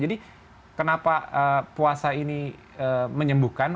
jadi kenapa puasa ini menyembuhkan